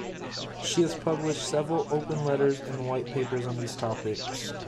She has published several open letters and white papers on these topics.